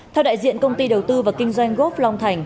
theo đại diện công ty đầu tư và kinh doanh gốc long thành